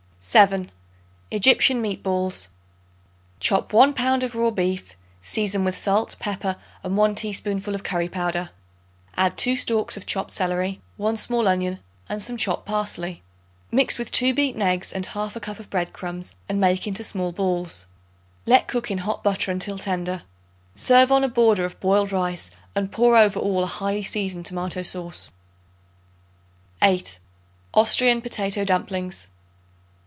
7. Egyptian Meat Balls. Chop 1 pound of raw beef; season with salt, pepper and 1 teaspoonful of curry powder; add 2 stalks of chopped celery, 1 small onion and some chopped parsley. Mix with 2 beaten eggs and 1/2 cup of bread crumbs, and make into small balls. Let cook in hot butter until tender. Serve on a border of boiled rice and pour over all a highly seasoned tomato sauce. 8. Austrian Potato Dumplings.